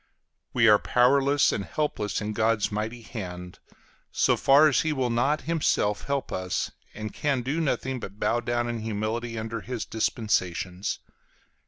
We are powerless and helpless in God's mighty hand, so far as he will not himself help us, and can do nothing but bow down in humility under his dispensations.